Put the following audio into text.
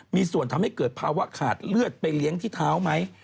มีส่วนทำให้เกิดภาวะขาดเลือดไปเลี้ยงที่เท้าไหม